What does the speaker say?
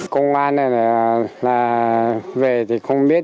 công an này là về thì không biết